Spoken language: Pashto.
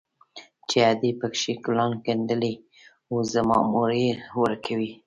چې ادې پكښې ګلان ګنډلي وو زما مور ته يې وركړي.